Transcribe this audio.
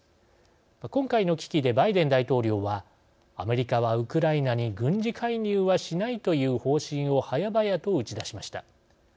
今回の危機で、バイデン大統領はアメリカはウクライナに軍事介入はしないという方針を早々と打ち出しました。